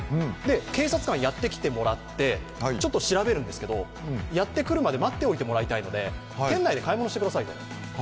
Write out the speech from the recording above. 警察官やってきてもらって、ちょっと調べるんですけど、やってくるまで待っておいてもらいたいので、店内で買い物してくださいと。